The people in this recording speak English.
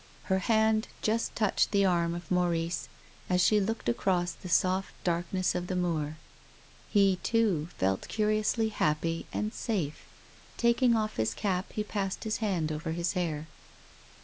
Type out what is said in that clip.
Her hand just touched the arm of Maurice as she looked across the soft darkness of the moor. He, too, felt curiously happy and safe. Taking off his cap he passed his hand over his hair.